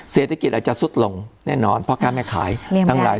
เศรษฐกิจอาจจะสุดลงแน่นอนพ่อค้าแม่ขายทั้งหลาย